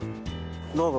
どうぞ。